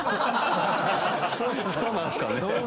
そうなんすかね？